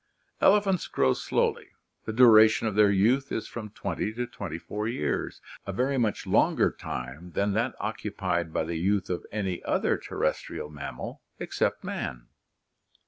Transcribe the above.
Elephants grow slowly; the duration of their youth is from twenty to twenty four years, a very much longer time than that occupied by the youth of any other terrestrial mammal except man.